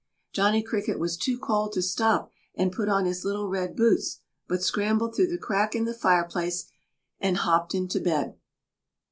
Johnny Cricket was too cold to stop and put on his little red boots, but scrambled through the crack in the fireplace and hopped into bed.